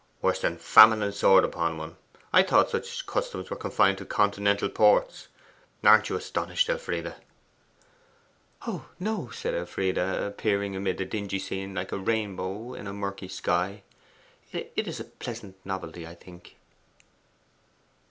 'Worse than Famine and Sword upon one. I thought such customs were confined to continental ports. Aren't you astonished, Elfride?' 'Oh no,' said Elfride, appearing amid the dingy scene like a rainbow in a murky sky. 'It is a pleasant novelty, I think.